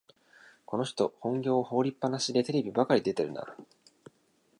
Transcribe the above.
この人、本業を放りっぱなしでテレビばかり出てるな